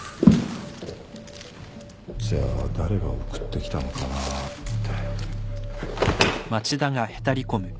じゃあ誰が送ってきたのかなあって。